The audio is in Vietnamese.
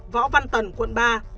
võ văn tần quận ba